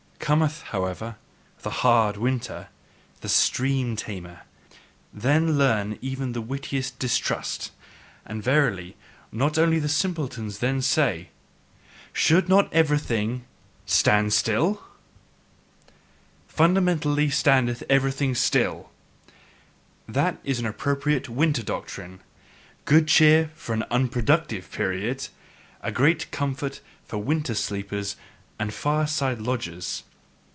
Cometh, however, the hard winter, the stream tamer, then learn even the wittiest distrust, and verily, not only the simpletons then say: "Should not everything STAND STILL?" "Fundamentally standeth everything still" that is an appropriate winter doctrine, good cheer for an unproductive period, a great comfort for winter sleepers and fireside loungers.